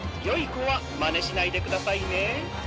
よいこはまねしないでくださいね。